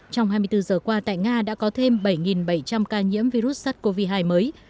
trong hai mươi bốn giờ qua tại nga đã có thêm bảy bảy trăm linh ca nhiễm virus sars cov hai mới